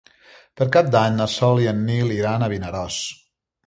Per Cap d'Any na Sol i en Nil iran a Vinaròs.